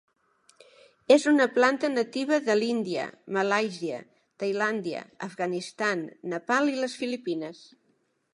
És una planta nativa de l'Índia, Malàisia, Tailàndia, Afganistan, Nepal i les Filipines.